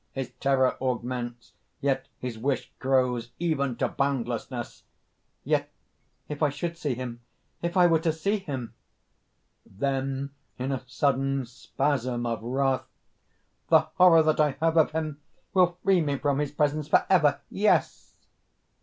His terror augments; yet his wish grows even to boundlessness_): "Yet if I should see him ... if I were to see him!" (Then in a sudden spasm of wrath): "The horror that I have of him will free me from his presence forever!... Yes!"